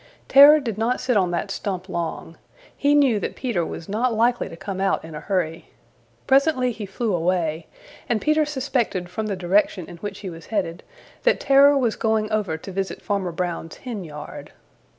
Terror did not sit on that stump long. He knew that Peter was not likely to come out in a hurry. Presently he flew away, and Peter suspected from the direction in which he was headed that Terror was going over to visit Farmer Brown's henyard.